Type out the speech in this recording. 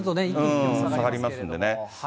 下がりますんでね。